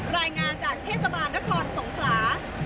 รายงานจากเทศบาลนครสงขลา